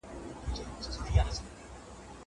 زه مخکي تکړښت کړی و.